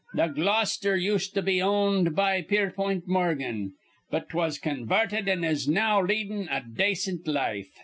Th' Gloucester used to be owned be Pierpont Morgan; but 'twas convarted, an' is now leadin' a dacint life.